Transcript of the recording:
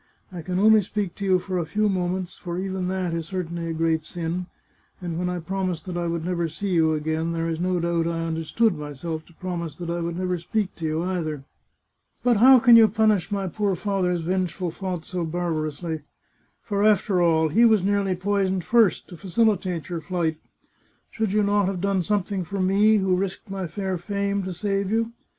I can only speak to you for a few moments, for even that is certainly a great sin, and when I promised that I would never see you again, there is no doubt I understood myself to promise that I would never speak to you either. But how can you punish my poor father's vengeful thought so barbarously ? For, after all, he was nearly poisoned, first, to facilitate your flight. Should you not have done something for me, who risked my fair fame to save you